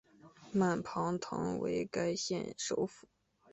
曼庞滕为该县的首府。